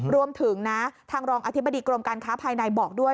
รวมถึงนะทางรองอธิบดีกรมการค้าภายในบอกด้วย